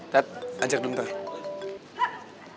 pat ajak dong terima kasih